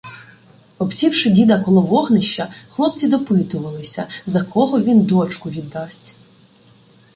Обсівши діда коло вогнища, хлопці допитувалися, за кого він дочку віддасть.